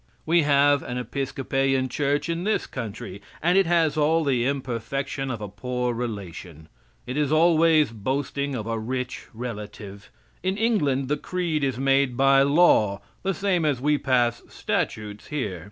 We have an Episcopalian Church in this country, and it has all the imperfection of a poor relation. It is always boasting of a rich relative. In England the creed is made by law, the same as we pass statutes here.